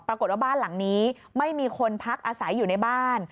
ปรากฏว่าบ้านหลังนี้ไม่มีคนพักอาศัยอยู่ในบ้าน